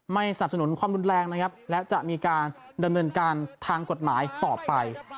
สนับสนุนความรุนแรงนะครับและจะมีการดำเนินการทางกฎหมายต่อไป